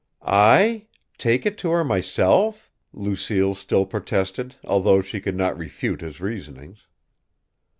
"I! Take it to her myself?" Lucille still protested, although she could not refute his reasonings.